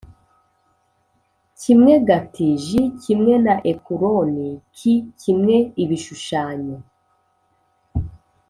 Kimwe gati j kimwe na ekuroni k kimwe ibishushanyo